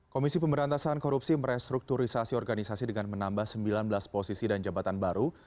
komisi pemberantasan korupsi merestrukturisasi organisasi dengan menambah sembilan belas posisi dan jabatan baru